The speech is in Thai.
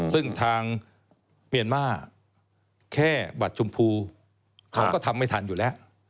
ซึ่งทางเมียนมาร์แค่บัตรชมพูเขาก็ทำไม่ทันอยู่แล้ว